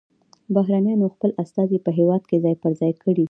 بهرنیانو خپل استازي په هیواد کې ځای پر ځای کړي